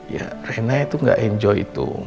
ya rena itu nggak enjoy itu